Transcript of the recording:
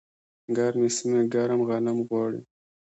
ګرمې سیمې ګرم غنم غواړي.